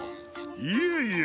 いえいえ。